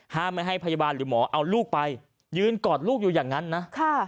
ไม่ให้พยาบาลหรือหมอเอาลูกไปยืนกอดลูกอยู่อย่างนั้นนะ